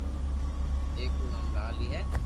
اآڪ رو نوم لالي ھي